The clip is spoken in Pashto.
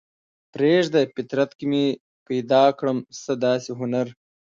پریږده فطرت کې مې پیدا کړمه څه داسې هنر